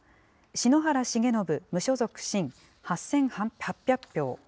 篠原重信、無所属・新、８８００票。